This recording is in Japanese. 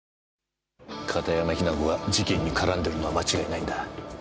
片山雛子が事件に絡んでるのは間違いないんだ。